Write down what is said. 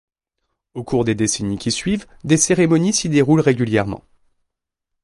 Au cours des décennies qui suivent, des cérémonies s'y déroulent régulièrement.